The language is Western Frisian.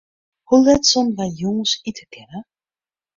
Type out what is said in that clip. Hoe let soenen wy jûns ite kinne?